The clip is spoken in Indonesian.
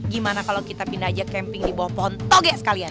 gimana kalau kita pindah aja camping di bawah pohon toge sekalian